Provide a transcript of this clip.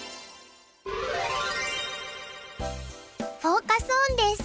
フォーカス・オンです。